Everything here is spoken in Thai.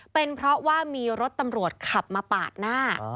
เป็นเพราะว่ามีรถตำรวจขับมาปาดหน้า